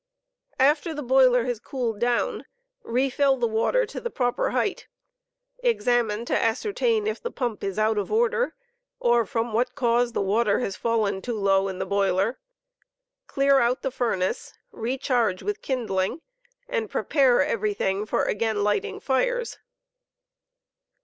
After the boiler has cooled down, refill the water to the proper height, examine to ascertain if the pump is out of order, or from* what cause the water has fallen too low in the boiler, clear ont the furnace, recharge with kindling, and prepare everything for again lighting fires.